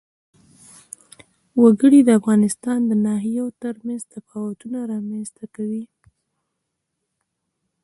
وګړي د افغانستان د ناحیو ترمنځ تفاوتونه رامنځ ته کوي.